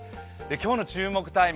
今日の注目タイム